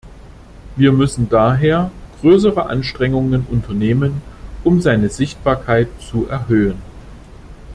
Wir müssen daher größere Anstrengungen unternehmen, um seine Sichtbarkeit zu erhöhen.